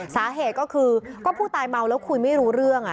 สาเหตุก็คือก็ผู้ตายเมาแล้วคุยไม่รู้เรื่อง